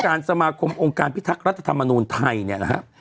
สมาคมองค์การพิทักษ์รัฐธรรมนูลไทยเนี่ยนะครับ